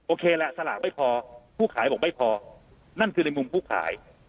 แหละสลากไม่พอผู้ขายบอกไม่พอนั่นคือในมุมผู้ขาย